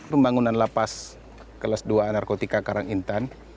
pembangunan lapas kelas dua narkotika karangintan